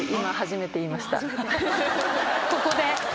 ここで。